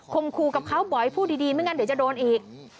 คมคู่กับเขาบ่อยพูดดีไม่งั้นเดี๋ยวจะโดนอีก